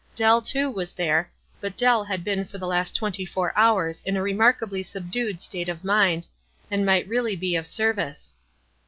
Dell, too, was there ; but Dell bad been for the last twenty four hours in a remarkably subdued state of mind, and might really be of service.